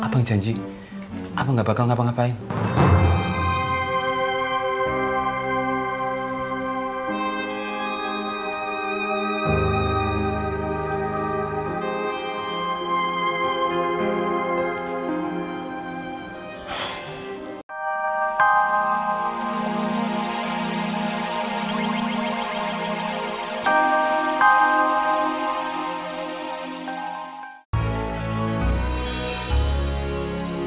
jangan sampe mamsi tau kalo kita gak sekamar